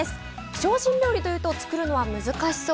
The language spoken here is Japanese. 精進料理というと作るのは難しそう。